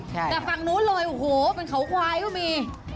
แต่ฝั่งนู้นเลยโอ้โหเป็นเขาควายก็มี